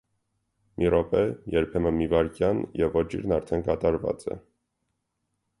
Մի րոպե, երբեմն մի վայրկյան, և ոճիրն արդեն կատարված է: